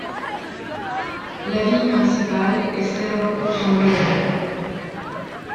La ville principale est Cerro Sombrero.